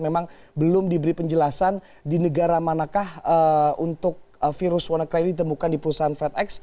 memang belum diberi penjelasan di negara manakah untuk virus wannacry ini ditemukan di perusahaan fed x